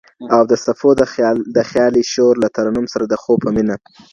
او د څپو د خیالي شور له ترنم سره د خوب په مینه